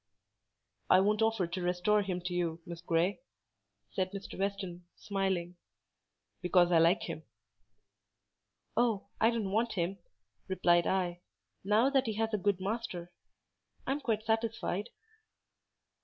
"I won't offer to restore him to you, Miss Grey," said Mr. Weston, smiling, "because I like him." "Oh, I don't want him," replied I, "now that he has a good master; I'm quite satisfied."